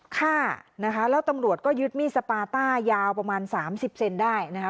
ฆ่านะคะแล้วตำรวจก็ยึดมีดสปาต้ายาวประมาณสามสิบเซนได้นะคะ